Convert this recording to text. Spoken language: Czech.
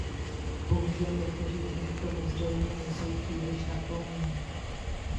Bohužel, někteří z nich tomu zřejmě nejsou příliš nakloněni.